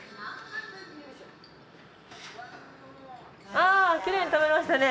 ああきれいに食べましたね。